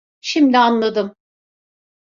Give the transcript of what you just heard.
Şimdi anladım.